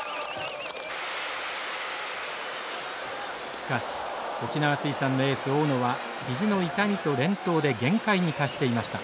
しかし沖縄水産のエース大野は肘の痛みと連投で限界に達していました。